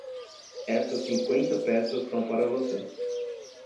Essas cinquenta peças são para você.